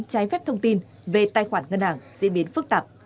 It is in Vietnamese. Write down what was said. trái phép thông tin về tài khoản ngân hàng diễn biến phức tạp